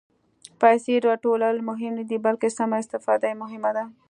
پېسې راټولول مهم نه دي، بلکې سمه استفاده یې مهمه ده.